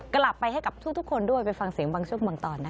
กลับไปให้กับทุกคนด้วยไปฟังเสียงบางช่วงบางตอนนะคะ